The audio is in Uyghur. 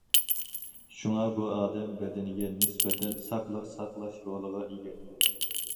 شۇڭا ئۇ ئادەم بەدىنىگە نىسبەتەن ساقلىق ساقلاش رولىغا ئىگە.